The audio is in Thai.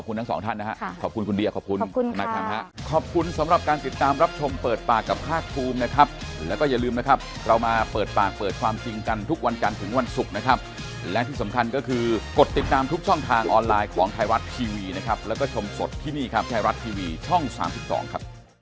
วันนี้ขอบคุณทั้งสองท่านนะครับขอบคุณคุณเดียขอบคุณนักฐานฮะ